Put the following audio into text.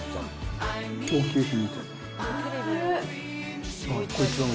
高級品みたい。